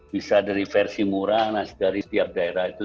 bisa dari versi murah dari setiap daerah itu